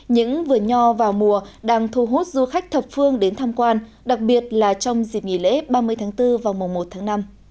những vườn nho vào mùa đang thu hút du khách thập phương đến tham quan đặc biệt là trong dịp nghỉ lễ ba mươi tháng bốn vào mùa một tháng năm